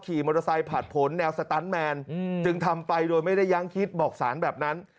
ขี่มอเตอร์ไซค์ผ่านผลแนวสตันแมนจึงทำไปโดยไม่ได้ยังคิดบอกสารแบบนั้น